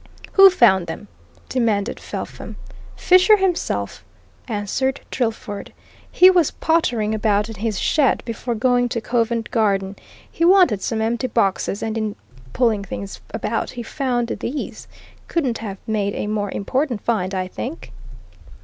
"Who found them?" demanded Felpham. "Fisher himself," answered Drillford. "He was pottering about in his shed before going to Covent Garden. He wanted some empty boxes, and in pulling things about he found these! Couldn't have made a more important find, I think.